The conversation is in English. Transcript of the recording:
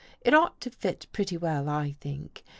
It ought to fit pretty well, I think.